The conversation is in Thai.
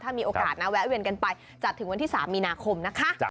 ถ้ามีโอกาสนะแวะเวียนกันไปจัดถึงวันที่๓มีนาคมนะคะ